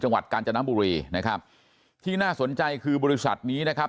กาญจนบุรีนะครับที่น่าสนใจคือบริษัทนี้นะครับ